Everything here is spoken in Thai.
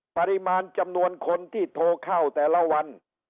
ปริมาณจำนวนคนที่โทรเข้าแต่ละวัน